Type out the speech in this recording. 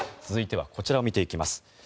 続いてはこちらを見ていきます。